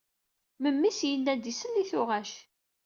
Memmi-s yenna-d isell i tuɣac.